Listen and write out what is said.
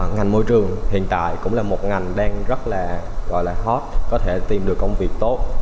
ngành môi trường hiện tại cũng là một ngành đang rất là gọi là hot có thể tìm được công việc tốt